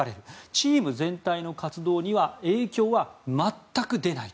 チーム全体の活動には影響は全く出ない。